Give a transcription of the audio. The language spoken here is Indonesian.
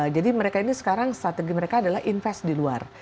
mereka ini sekarang strategi mereka adalah invest di luar